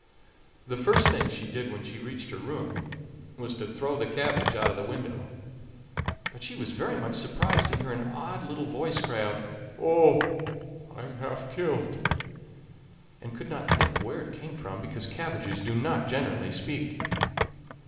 The first thing she did when she reached her room was to throw the cabbage out of the window. But she was very much surprised to hear an odd little voice cry out: "Oh! I am half killed!" and could not tell where it came from, because cabbages do not generally speak.